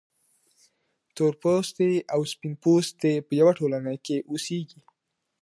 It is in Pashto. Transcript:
تورپوستي او سپین پوستي په یوه ټولنه کې اوسیږي.